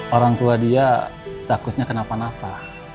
orang tua dia takutnya kenapa napa